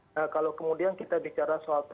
nah kalau kemudian kita bicara soal